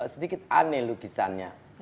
sedikit aneh lukisannya